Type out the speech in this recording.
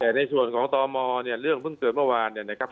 แต่ในส่วนของตมเนี่ยเรื่องเพิ่งเกิดเมื่อวานเนี่ยนะครับ